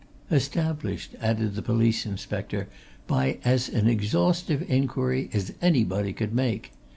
"Established," added the police inspector, "by as an exhaustive inquiry as anybody could make.